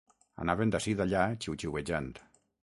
Anaven d'ací d'allà xiuxiuejant